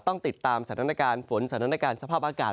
ต้องติดตามสถานการณ์ฝนสถานการณ์สภาพอากาศ